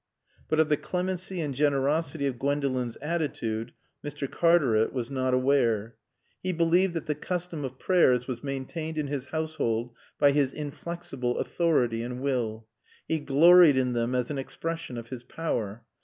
But of the clemency and generosity of Gwendolen's attitude Mr. Cartaret was not aware. He believed that the custom of prayers was maintained in his household by his inflexible authority and will. He gloried in them as an expression of his power.